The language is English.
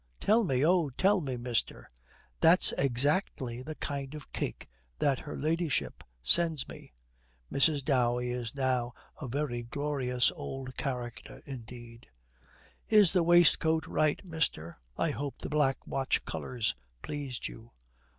Tell me, oh, tell me, mister.' 'That's exactly the kind of cake that her ladyship sends me.' Mrs. Dowey is now a very glorious old character indeed. 'Is the waistcoat right, mister? I hope the Black Watch colours pleased you.'